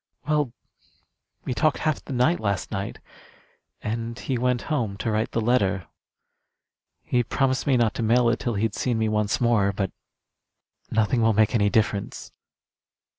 Well, we talked half the night last night, and he went home to write the letter. He promised me not to mail it till he'd seen me once more; but nothing will make any difference."